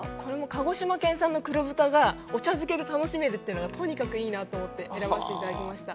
鹿児島県産の黒豚がお茶漬けで楽しめるというのがとにかくいいなと思って選ばせていただきました。